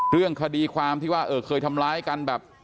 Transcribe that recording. เรื่องคดีความที่ว่าเออเคยทำร้ายกันแบบ